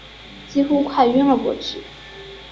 几乎快晕了过去